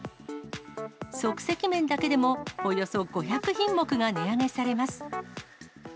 即席麺だけでも、およそ５００品目が値上げされます。